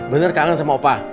bener kangen sama opa